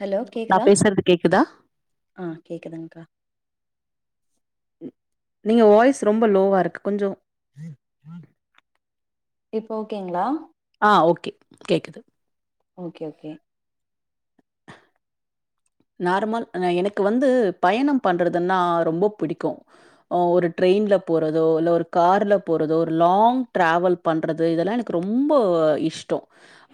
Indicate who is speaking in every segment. Speaker 1: hello
Speaker 2: நா
Speaker 1: கேக்குதா
Speaker 2: பேசுறது கேக்குதா நீங்க வாய்ஸ் ரொம்ப லோவா இருக்கு கொஞ்சோ
Speaker 1: இப்ப ஓகேகளா
Speaker 2: ஆ ஓகே கேக்குது
Speaker 1: ஓகே ஓகே
Speaker 2: நார்மல் எனக்கு வந்து பயண பண்றதுனா ரொம்ப பிடிக்கு ஒரு ட்ரெயில போறதோ இல்ல ஒரு கார்ல போறதோ ஒரு லாங் டிராவல் பண்றது இதெல்லா எனக்கு ரொம்ப இஷ்டோ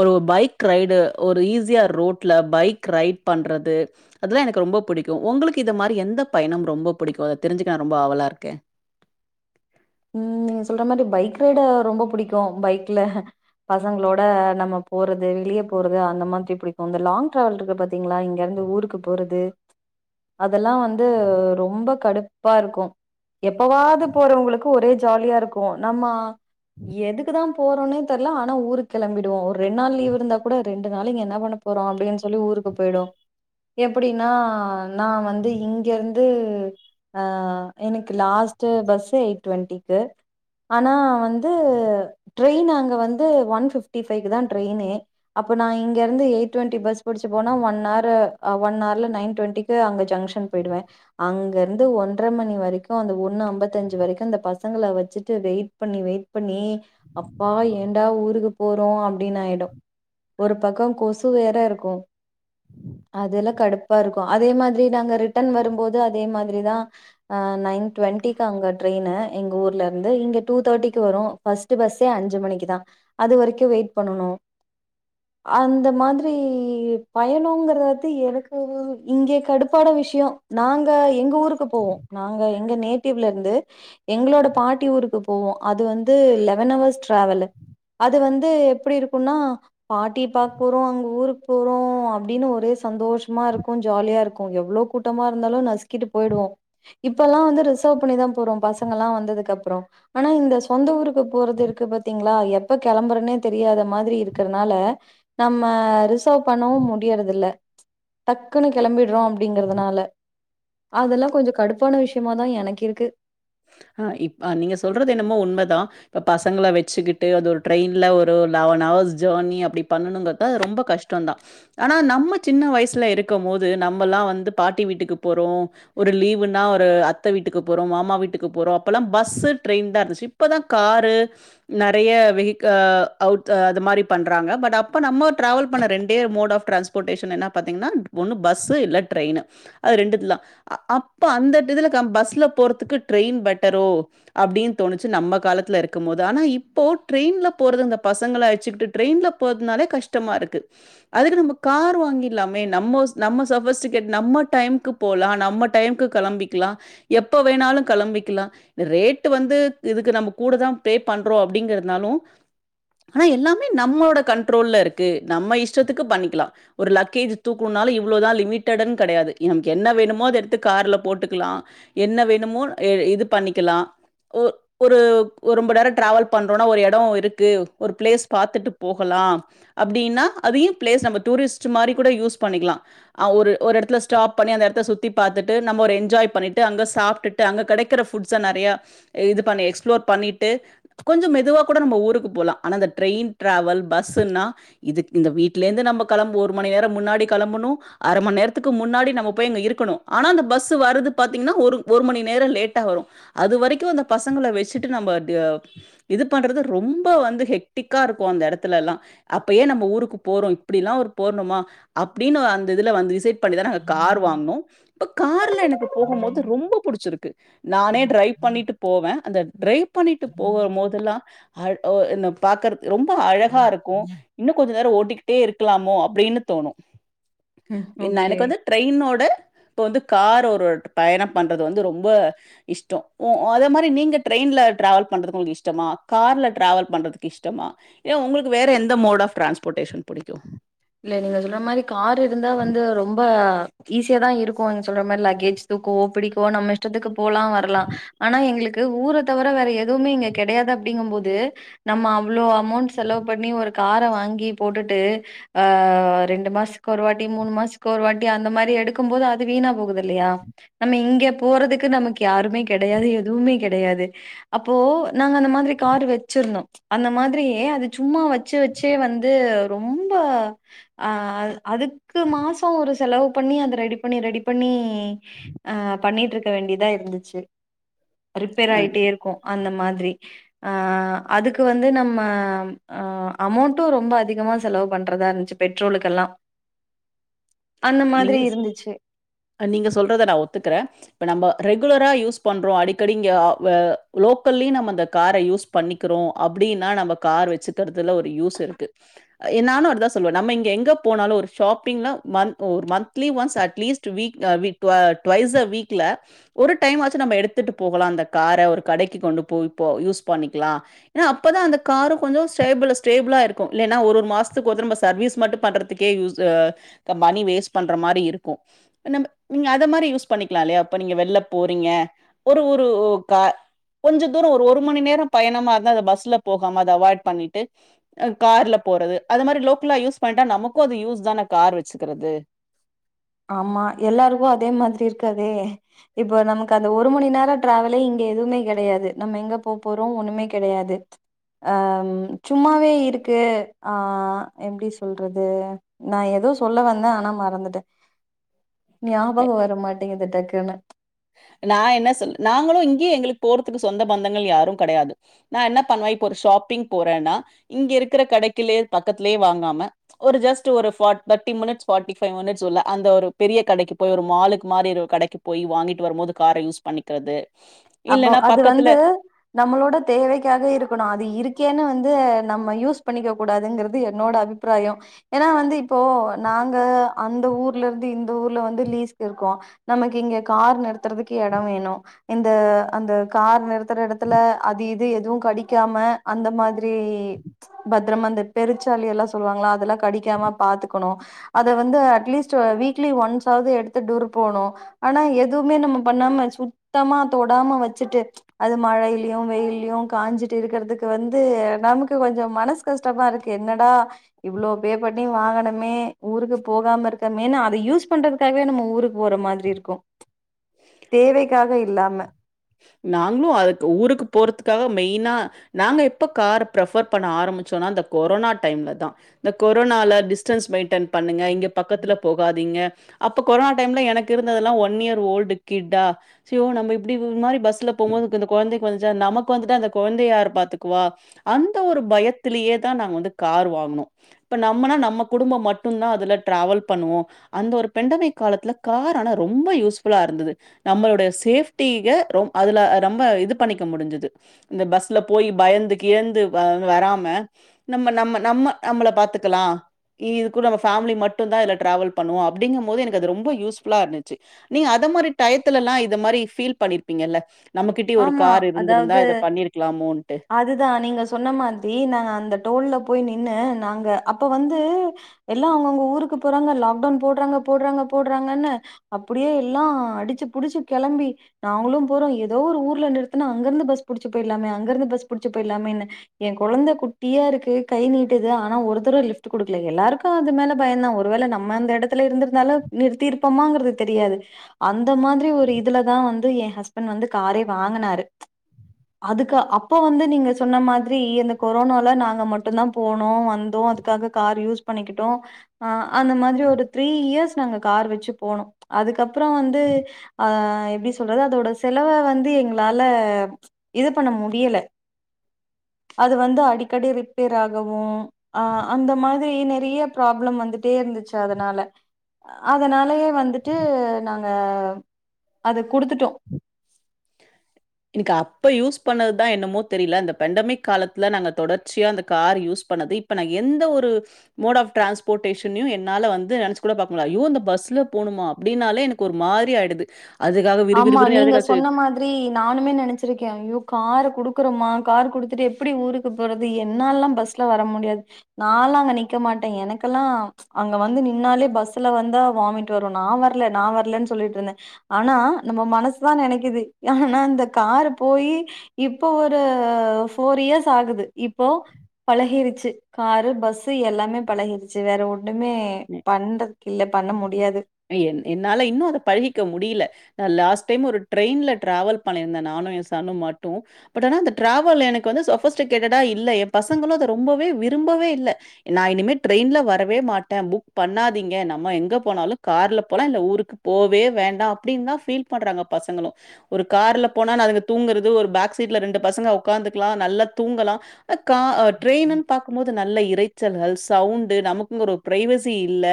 Speaker 2: ஒரு பைக் ரைடு ஒரு ஈஸியார் ரோட்ல பைக் ரைட் பண்றது அதெல்லா எனக்கு ரொம்ப பிடிக்கு உங்களுகு இத மாரி எந்த பயணம் ரொம்ப பிடிக்கு அத தெரிஞ்சுக நா ரொம்ப ஆவலா இருக்கே
Speaker 1: ம் நீங்க சொல்ற மாரி பைக் ரைட் ரொம்ப பிடிக்கு பைக்ல பசகளோட நம்ம போறது வெளிய போறது அந்த மாரிபுடிக்கு இந்த லாங் டிராவல் இருக்கு பாத்தீங்களா இங்க இருந்து ஊருக் க்கு போறது அதெல்லா வந்து ரொம்ப கடுப்பா இருக்கு எப்பவாது போறவங்களுகு ஒரே ஜாலியா இருக்கு நம்ம எதுகு தா போறோனே தெரியல ஆனா ஊருக்கு கெளபிடுவோ ஒரு ரெண் நாள் லீ்வ் இருந்தா கூட ரெண்டு நாளு இங்க என்ன பண்ண போ றோ அப்டினு சொல்லி ஊருக்கு போயிவோ எப்டினா நா வந்து இங்கருது ஆ எனக்கு லாஸ்டு பஸ்சு எயிட் டு ட்வெண்க்டிகு ஆனா வந்து ட்ரெயின் அங்க வந்து ஒன் பஃபிப்ட்டி ஃபைவ்கு தா ட்ரெயினே அப்ப நா இங்க இருந்து எயிட் டுவெண்டி பஸ் படிச்சு போனா ஒன்னாரு ஒன்ஹர்ல நைன் டுவெண்டி அங்க ஜங்ஷன் போயிடுவே அங்க இருந்து ஒன்ர மணி வரைக்கு அந்த ஒன்னு ஐம்பதஞ்சு வரைக்கு அந்த பசங்கள வச்சிட்டு வெயிட் பண்ணி வெயிட் பண்ணி அப்பா ஏன்டா ஊருக்கு போறோ அப்டினு ஆயிடு ஒரு பக்க கொசு வேற இருக்கு அதலா கடுப்பா இருக்கு அதே மாதிரி நாங்க ரிட்டன் வரும்போது அதே மாதிரி தா ஆ நைன் டுட்வெண்ட்டிகு அங்க ட்ரெயினு எங்க ஊர்ல இருந்து இங்க டூ தேட்டிக்கு வரும் பஸ்ட் பஸ்சே அஞ்சு மணிக்கு தா அது வரைக்கு வெயிட் பண்ணனு அந்த மாதிரி பயணோகறது எதுக்கு இங்கே கடுபான விஷய நாங்க எங்க ஊருக்கு போவோ நாங்க எங்க நேட்டிவ்ல இருந்து எங்களோட பாட்டி ஊருக்கு போவோ அது வந்து லெவன் ஹவர்ஸ் டிராவலு அது வந்து எப்படி இருக்குனா பாட்டி பாக்க போறோ அங்க ஊருக்கு போறோ அப்டினு ஒரே சந்தோஷமா இருக்கு ஜாலியா இருக்கு எவ்ளோ கூட்டமா இருந்தாலு நசுக்கிட்டு போயிடுவோ இப்பலா வந்து ரிசர்வ் பண்ணிதா போ றோ பசங்க எல்லா வந்ததுகு அப்றோ ஆனா இந்த சொந்த ஊருக்கு போறது இருக்கு பாத்தீங்களா எப்ப கிளம்பறனே தெரியாத மாதிரி இருகறனால நம்ம ரிசர்வ் பண்ணவு முடியறதில டக்குனு கெளம்பிடுறோ அப்படிங்கறதுனால அதெல்லா கொஞ்ச கடுப்பான விஷயமாதா எனக்கு இருக்கு
Speaker 2: ஆ இப் நீங்க சொல்றது என்னமோ உண்ம தா இப்ப பசங்கள வச்சுக்கிட்டு அது ஒரு ட்ரெயின்ல ஒரு லவன் அவர்ஸ் ஜேர்னி அப்டி பண்ணனுங் ப ரொம்ப கஷ்டொந்தா ஆனா நம்ம சின்ன வயசுல இருக்கம் போது நம்மல்லா வந்து பாட்டி வீட்டுக்கு போறோ ஒரு லீவுன்னா ஒரு அத்த வீட்டுக்கு போறோ மாமா வீட் க்கு போறோ அப்பல்லா பஸ்சு ட்ரெயின் தா இருந்துச்சு இப்பதா காரு நெறைய வெகிக் ஆ அவுட் அது மாரி பண்றாங்க பட் அப்ப நம்ம டிராவல் பண்ண ரெண்டே மோட் ஆப் டிரான்ஸ்போ போட்டேஷன் என்னா பாத்தீங்கனா ஒன்னு பஸ்சு இல்ல டிரெயினு அது ரெண்டுதுல தா அப்ப அந்த இதுல கம் பஸ்ல போறதுக்கு ட்ரெயின் பெட்டரோ அப்டின் தோணுச்சு நம்ம காலத்தில இருக்கம் போது ஆனா இப்போ ட்ரெயின்ல போறது இந்த பசங்கள அழச்சுகிட்டு டிரெயின்லப் போதுனாலே கஷ்டமா இருக்கு அதுக்கு நம்ம கார் வாங்கிலாமே நம்ம நம்ம சபோஸ்டிகேட் நம்ம டைம்கு போலா நம்ம டைம்க்கு கெளம்பிக்லா எப்ப வேணாலு கெளம்பிக்லா ரேட்டு வந்து இதுக்கு நம்ம கூடதா பே பண்றோ அப்டிங்கிறதுனாலு ஆனா எல்லாமே நம்மளோட கண்ட்ரோல்ல இருக்கு நம்ம இஷ்டத்துக்கு பண்ணிக்லா ஒரு லக்கேஜ் தூக்கணுனாலு இவ்ளதா லிமிட்டடுன் கெடையாது நமக்கு என்ன வேணுமோ அத எடுத்து கார்ல போட்டுக்லா என்ன வேணுமோ அ இது பண்ணிக்கலா ஒ ஒரு ரொம்ப நேர டிராவல் பண்றோனா ஒரு எடோ இருக்கு ஒரு பிளேஸ் பாத்துட்டு போகலா அப்டினா அதையு பிளேஸ் நம்ம டூரிஸ்ட் மாரி கூட யூஸ் பண்ணிக்லா அ ஒரு ஒரு எடத்துல ஸ்டாப் பண்ணி அந்த இடத்த சுத்தி பாத்துட்டு நம்ம ஒரு என்ஜாய் பண்ணிட்டு அங்க சாப்டுட் டு அங்க கெடைக்கிற ஃபுட்ஸ நெறைய இது பண்ணி எக்ஸ்ப்ளோர் பண்ணிட்டு கொஞ்ச மெதுவா கூட நம்ம ஊருக்கு போலா ஆனா இந்த ட்ரெயின் ட்ராாவல் பஸ்ன்னா இதுக் இந்த வீட்ல இருந்து நம்ம கெளம்ப ஒரு மணி நேரம் முன்னாடி கெளம்பணு அர மணி நேரத்துக்கு முன்னாடி நம்ம போய் அங்க இருக்கணு ஆனா அந்த பஸ் வருது பாத்தீங்ன்னா ஒரு ஒரு மணி நே நேர லேட்டா வரு அது வரைக்கு அந்த பசங்கள வச்சுட்டு நம்ப ட இது பண்றது ரொம்ப வந்து ஹெக்டிக்கா இருக்கு அந்த எடத்துல எல்லா அப்ப ஏ நம்ப ஊருக்கு போறோ இப்டில்லா ஒரு போற்ணுமா அப்படினு அந்த இதுல வந்து செ க் பண்ணிதா நாங்க கார் வாங்குனோ இப்ப கார்ல எனக்கு போகும் போது ரொம்ப புடிச்சிருக்கு நானே டிரைவ் பண்ணிட்டு போவ அந்த டிரைவ் பண்ணிட்டு போவ போதெல்லா அ ஒ என் பாக்குறதுக் ரொம்ப அழகா இருக்கு இன்னு கொஞ்ச நேரம் ஓட்டிக்கிட்டே இருக்கலாமோ அப்படினு தோணு
Speaker 1: ம் ஓகே
Speaker 2: எனக்கு வந்து ட்ரெயினோட இப்ப வந்து கார் ஒரு பயண பண்றது வந்து ரொம் ப இஷ்டொ ஓ அதே மாரி நீங்க ட்ரெயின்ல ட்ராாவல் பண்றது உங்களுக்கு இஷ்டமா கார்ல டிராவல் பண்றதுக்கு இஷ்டமா ஏ உங்களுக்கு வேற எந்த மோட் ஆஃப் டிரான்ஸ்போர்டேஷன் புடிக்கு
Speaker 1: இல்ல நீங்க சொல்ற மாரி கார் இருந்தா வந்து ரொம்ப ஈஸியா தா இருக்கு நீங்க சொல்ற மாரி லக்கேஜ் தூக்கவோ பிடிக்கவோ நம்ம இஷ்டத்துக்கு போலா வரலா ஆனா எங்களுக் கு ஊர தவிர வேற எதுவுமே இங்க கெடையாது அப்படிங்கும் போது நம்ம அவ்ளோ அமௌண்ட் செலவு பண்ணி ஒரு கார வாங்கி போட்டுட்டு ஆ ரெண்டு மாசத்துக்கு ஒரு வாட்டி மூணு மாசத்துக்கு ஒரு வாட்டி அந்த மாரி எடுக்கும் போது அது வீணா போகுது இல்லையா நம்ம இங்க போறதுக்கு நமக்கு யாருமே கெடையாது எதுமே கெடையாது அப்போ நாங்க அந்த மாதிரி காரு வச்சிருந்தோ அந்த மாதிரியே அது சும்மா வச்சு வச்சே வந்து ரொம்ப அ அதுக்கு மாசோ ஒரு செலவு பண்ணி அத ரெடி பண்ணி ரெடி பண்ணி அ பண்ணிட்டு இருக்க வேண்டியதா இருந்ச்சு ரிப்பேர்
Speaker 2: அ
Speaker 1: ஆயிட்டே இருக்கு அந்த மாதிரி அ அதுக்கு வந்து நம்ம ஆ அமௌண்ட்டு ரொம்ப அதிகமா செலவு பண்றதா இருந் ச்சு பெட்ரோலுக்கெல்லா அந்த மாதிரி
Speaker 2: நீங்க
Speaker 1: இருந்துச்சு
Speaker 2: நீங்க சொல்றத நா ஒத்துக்கறே இப்ப நம்ப ரெகுலரா யூஸ் பண்றோ அடிக்கடி இங்க லோக்கல்லயு நம்ம இந்த காரை யூஸ் பண்ணிக்கிறோ அப்டின்னா நம்ம கார் வச்சுக்கறதுல ஒரு யூஸ் இருக்கு நானு அதா சொல்லுவே நம்ம இங்க எங்க போனாலு ஒரு ஷாப்பிங்னா ஒரு மந்த்லி ஒன்ஸ் அட்லீஸ்ட் வீக் தா வீக் டு டுவைஸ் அ வீக்ல ஒரு டைம் ஆச்சு நம்ம எடுத்துட்டு போகலா அந்த காரை ஒரு கடைக்கு கொண்டு போய்ப்போ யூஸ் பண்ணிக்கலா அப்பதா அந்த காரும் கொஞ்சோ ஸ்டேபிள் ஸ்டேபிளா இருக்கு இல்லனா ஒரு மாசத்துக்கு ஒரு தடவ சர்வீஸ் மட்டு பண்றது க்கே யூஸ் மணி வேஸ்ட் பண்ற மாரி இருக்கு நம் நீங்க அத மாரி யூஸ் பண்ணிக்கலா இல்லையா இப்ப நீங்க வெள்ல போறீங்க ஒரு ஒரு கார் கொஞ்சோ தூரம் ஒரு மணி நேரம் பயணமா இருந்தா அத பஸ்ல போகாம அதை அவாய்ட் பண்ணிட்டு கார்ல போறது அது மாரி லோக்கலா யூஸ் பண்ணிட்டா நமக்கு அது யூஸ் தான கார் வச்சுக்கறது
Speaker 1: ஆமா எல்லாருக்கு அதே மாதிரி இருக்காதே இப்போ நமக்கு அந்த ஒரு மணி நேர டிராவலே இங்க எதுவுமே கெடையாது நம்ம எங்க போ போறோ ஒண்ணுமே கெடையாது அம் சும்மாவே இருக்கு ஆ எப்டி சொல்றது நா ஏதோ சொல்ல வந்தே ஆனா மறந்துட்ட ஞாபகம் வரமாட்டேங்குது டக்குன்னு
Speaker 2: நா என்ன சொல்ல நாங்களு இங்கயே எங்ளுக்கு போறதுக்கு சொந்த பந்தங்கள் யாரும் கெடையாது நா என்ன பண்வே இப்ப ஒரு ஷாப்பிங் போறேன்னா இங்க இருக்கிற கடைக்கிலே பக்கத்துலே வாங்காம ஒரு ஜஸ்ட் ஒரு for thirty minutes forty five minutes உள்ள அந்த ஒரு பெரிய கடைக்கு போய் ஒரு மாலுக்கு மாரி கடைக் போய் வாங்கிட் வரும் போது கார யூஸ் பண்ணிக்கிறது
Speaker 1: அப்போ
Speaker 2: இல்லன்னா
Speaker 1: அது
Speaker 2: பக்கத்துல
Speaker 1: வந்து நம்மளோட தேவைக்காக இருக்கணு அது இருக்கேன்னு வந்து நம்ம யூஸ் பண்ணிக்க கூடாதுங்கறது என்னோட அபி பிராயம் ஏனா வந்து இப்போ நாங்க அந்த ஊர்ல இருந்து இந்த ஊர்ல வந்து லீஸ்கு இருக்கோம் நமக்கு இங்க கார் நிறுத்துறதுக்கு இடம் வேணு இந்த த அந்த கார் நிறுத்தற இடத்துல அது இது இது எதுவு கடிக்காம அந்த மாதிரி பத்ரமா அந்த பெருச்சாளி எல்லா சொல்வாங்கள்ளா அதெல்லா கடிக்காம பாத்துக்கணு அத வந்து அட்லீஸ்ட் வீக்லி ஒன்ஸாவது எடுத்து தூர போணு ஆனா எதுமே நம்ம பண்ணாம சுத்தமா தொடாம வச்சுட்டு அது மழைலயு வெயில்லயும் காஞ்சிட்டு இருக்கறதுக்கு வந்து நமக்கு கொஞ்சம் மனசு கஷ்டமா இருக்கு என்னடா இவ்ளோ ஃபே பண்ணி வாங்கனமே ஊருக்கு போகாம இருக்கமேன்னு அத யூஸ் பண்றது அதுக்காகவே நம்ம ஊருக்கு போற மாதிரி இருக்கு தேவைக்காக இல்லாம
Speaker 2: நாங்ளு அதுக் ஊருக்கு போறதுக்காக மெய்னா நாங்க எப்ப கார ப்ரஃபர் பண்ண ஆரம்பிச்சோனா அந்த கொரோனா டைம்ல தா இந்த கொரோனால டிஸ்டன்ஸ் மெயின்டன் பண்ணுங்க இங்க பக்கத்துல போகாதீங்க அப்ப கொரோனா டைம்ல எனக்கு இருந்ததெல்லா ஒன் இயர் ஓல்டு கிட்டா யோ நம்ம இப்டி மாரி பஸ்ல போபோது இந்த கொழந்தைக்கு வந்துசா நமக்கு வந்துட்டா இந்த குழந்தைய யாரு பாத்துக்குவா அந்த ஒரு பயத்திலியேதா நாங்க வந்து கார் வாங்னோ இப்ப நம்மனா நம்ம குடும்பம் மட்டுந்தா அதுல டிராவல் பண்ணுவோ அந்த ஒரு பெண்டமை காலத்துல கார் ஆனா ரொம்ப யூஸ் ஃபுல்லா இருந்துது நம்மளோடைய சேஃப் டீக ரொம் அதுல ரொம்ப இது பண்ணிக்க முடிஞ்சுது இந்த பஸ்ல போய் பயந்து கியந்து வ அ வராம நம்ம நம்ம நம்ம நம்மள பாத்துக்குலா இ இது கூட நம்ம ஃபேமிலி மட்டுந்தா டிராவல் பண்ணுவோ அப்டிங்கம்போது எனக்கு அது ரொம்ப யூஸ் ஃபுலா இருந்துச்சு நீங் அத மாரி டயத்துலலா இத மாரி ஃபீல் பண்ணிருப்பீங்கல்ல நம்மகிட்டியு ஒரு
Speaker 1: ஆமா
Speaker 2: கார் இருந்துருந்தா இத பண்ணிருக்லாமோன்ட்டு
Speaker 1: அதுதா நீங்க சொன்ன மாதிரி நாங்க அந்த டோல்ல போய் நின்னு நாங்க அப்போ வந்து எல்லா அவுங்கவுங்க ஊருக்கு போறாங்க லாக்டவுன் போட்றாங்க போட்றாங்க போட்றாங்கன்னு அப்டியே எல்லா அடிச்சு புடிச்சு கெளம்பி நாங்குளு போறோ எதோ ஒரு ஊர்ல நிறுத்துனா அங்கருந்து பஸ் புடிச்சு போயிட்லாமே அங்கருந்து பஸ் புடிச்சு போயிட்லாமேன்னு ஏன் கொழந்த குட்டியா இருக்கு கை நீட்டுது ஆனா ஒருத்தரு லிஃப்ட் குடுக்குல எல்லாருக்கு அது மேல பயந்தா ஒருவேள நம் நம்ம அந்த எ டத்துல இருந்துருந்தாலு நிறுத்திருப்பமாங்றது தெரியாது அந்த மாதிரி ஒரு இதுலதா வந்து ஏன் ஹஸ்பண்ட் வந்து காரே வாங்குனாரு அதுக்க அப் அப்ப வந்து நீங்க சொன்ன மாதிரி இந்த கொரோனால நாங்க மட்டுந்தா போனோ வந்தோ அதுக்காக கார் யூஸ் பண்ணிக்கிட்டோ அ அந்த மாதிரி ஒரு த்ரீ இயர்ஸ் நாங்க கார் வச்சு போனோ அதுக்கப்றோ வந்து ஆ எப்டி சொல்றது அதோட செலவ வந்து எங்ளால இது பண்ண முடியல அது வந்து அடிக்கடி ரிப்பேர் ஆகவு ஆ அந்த மாதிரி நெறைய ப்ராப்ளம் வந்துட்டே இருந்துச்சு அதனால அதனாலயே வந்துட்டு நாங்க அத குடுத்துட்டோ
Speaker 2: எனுக்கு அப்ப யூஸ் பண்ணதுதா என்னமோ தெரில அந்த பெண்டமிக் காலத்துல நாங்க தொடர்ச்சியா அந்த கார் யூஸ் பண்ணது இப் இப்ப நா எந்த ஒரு மோட் ஆஃப் டிரான்ஸ்போட்டேஷனயு என்னால வந்து நெனச்சி கூட பாக்க முல்ல அய்யோ இந்த பஸ்ல போணுமா அப்டின்னாலே எனக் கு ஒரு மாதிரி ஆயிடுது அதுக்காக விறு விறு
Speaker 1: ஆமா
Speaker 2: விறுனு
Speaker 1: நீங்க
Speaker 2: எல்லாதையு [unintelligible]
Speaker 1: [unintelligible] நானுமே நெனச்சிருக்கே ஐயோ கார குடுக்றோமா கார் குடுத்துட்டு எப்புடி ஊருக்கு போறது என்லாலலா பஸ் ல வர முடியாது நால்லா அங்க நிக்க மாட்டே எனக்குலா அங்க வந்து நின்னாலே பஸ்ல வந்தா வாமிட் வரும நா வர்ல நா வர்லன்னு சொல்லிட்ருந்தே ஆனா நம்ப மனசுதா நெனைக்குது ஆனா இந்த காரு போயி இப்போ ஒரு ஃபோர் இயர்ஸ் ஆகுது இப்போ பழகிருச்சு காரு பஸ்சு எல்லாமே பழகிருச்சு வேற ஒன்னுமே பண்றதுக்கில்ல பண்ண முடியாது
Speaker 2: என் என்னால இன்னு அத பழகிக்க முடில நா லாஸ்ட் டைம் ஒரு ட்ரெயின்ல ட்ராவல் பண்ணிருந்தே நானு ஏன் சன்னு மட்டு பட் ஆனா அந்த டிராவல் எனக்கு வந்து சொஃபஸ்டிகேட்டடா இல்ல ஏ பசங்குளு அத ரொம்பவே விரும்பவே இல்ல நா இனிமே ட்ரெயின்ல வரவே மாட்டே புக் பண்ணாதீங்க நம்ம எங்க போனாலு கார்ல போலா இல்ல ஊருக்கு போவே வேண்டா அப்டின்தா ஃபீல் பண்றாங்க பசங்களு ஒரு கார்ல போனா நா அதுங்க தூங்குறது ஒரு பேக் சீட்ல ரெண்டு பசங்க ஒக்காந்துக்லா நல்லா தூங்கலா அ கா ட்ரெயின்னுன் பாக்கும்போது நல்ல இறைச்சல்கள் சவுண்டு நமக்குன் ஒரு பிரைவேசி இல்ல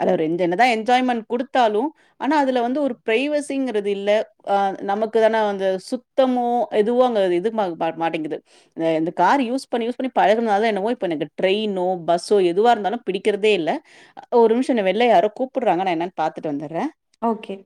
Speaker 2: அதுல ஒரு என் என்னதா என்ஜாய்மென்ட் குடுத்தாலு ஆனா அதுல வந்து ஒரு பிரைவெசிங்குறது இல்ல அ நமக்கு வேணா அந்த சுத் த்தமு இதுவோ அங்க இது மா ப மாட்டேங்குது அ இந்த கார் யூஸ் பண்ணி யூஸ் பண்ணி பழகுனலா தா என்னவோ இப்ப எனக்கு ட்ரெயினோ பஸ்ஸோ எதுவா இருந்தாலு பிடிக்றதே இல்ல ஒரு நிம்ஷோ என்ன வெள்ல யாரோ கூப்புற்றாங்க நா என்னன் பாத்துட்டு வந்துர்றே
Speaker 1: ஓகே